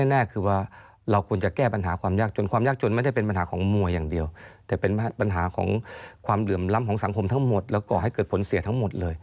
มวยเป็นแค่ภาพหนึ่งของความดื่มรัมของสังคมนั้นเอง